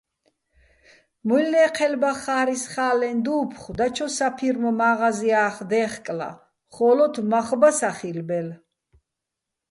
მუჲლნე́ჴელბა ხა́რისხა́ლეჼ დუ́ფხო̆ დაჩო საფირმო̆ მა́ღაზია́ხ დე́ხკლა, ხო́ლოთ მახ ბა სახილბელ.